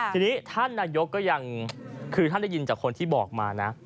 ทีนี้ท่านนายกก็ยังคือท่านได้ยินจากคนที่บอกมานะ